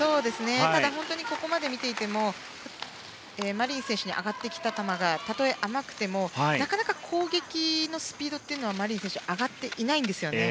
ただ本当にここまで見ていてもマリン選手に上がってきた球がたとえ甘くてもなかなか攻撃のスピードはマリン選手は上がっていないんですね。